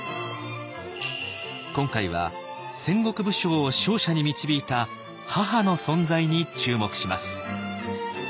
今回は戦国武将を勝者に導いた「母の存在」に注目します。